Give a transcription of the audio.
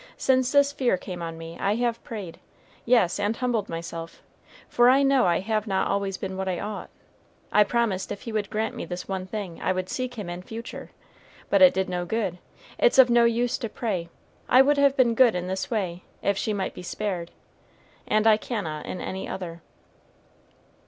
"Since this fear came on me I have prayed, yes, and humbled myself; for I know I have not always been what I ought. I promised if he would grant me this one thing, I would seek him in future; but it did no good, it's of no use to pray. I would have been good in this way, if she might be spared, and I cannot in any other."